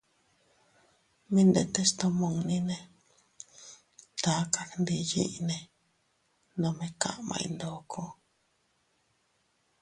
Mi ndetes tomunnine taka gndiyinne nome kaʼmay ndokone.